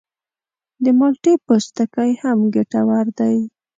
د مالټې پوستکی هم ګټور دی.